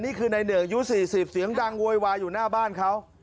นี่คือในหนึ่งอายุ๔๐เสียงดังโวยวายอยู่หน้าบ้านเขา